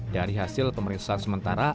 dari hasil pemeriksaan sementara